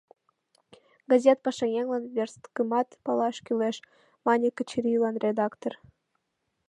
Газет пашаеҥлан версткымат палаш кӱлеш, — мане Качырийлан редактор.